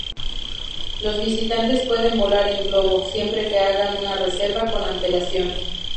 Los visitantes pueden volar en globo, siempre que hagan una reserva con antelación.